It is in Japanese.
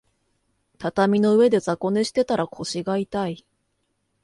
畳の上で雑魚寝してたら腰が痛い